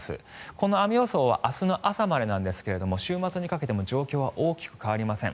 この雨予想は明日の朝までなんですが週末にかけても状況は大きく変わりません。